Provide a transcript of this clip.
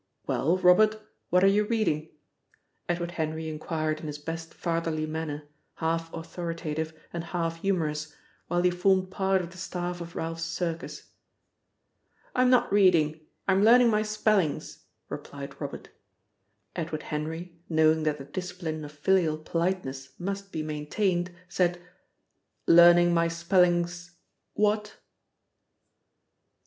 "Well, Robert, what are you reading?" Edward Henry inquired in his best fatherly manner, half authoritative and half humorous, while he formed part of the staff of Ralph's circus. "I'm not reading, I'm learning my spellings," replied Robert. Edward Henry, knowing that the discipline of filial politeness must be maintained, said: "'Learning my spellings' what?"